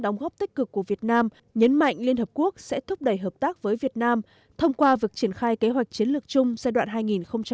nhấn mạnh liên hợp quốc sẽ thúc đẩy hợp tác với việt nam thông qua vực triển khai kế hoạch chiến lược chung giai đoạn hai nghìn một mươi bảy hai nghìn hai mươi một